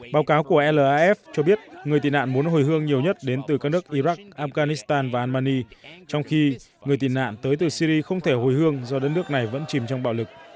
báo cáo của laf cho biết người tị nạn muốn hồi hương nhiều nhất đến từ các nước iraq afghanistan và albany trong khi người tị nạn tới từ syri không thể hồi hương do đất nước này vẫn chìm trong bạo lực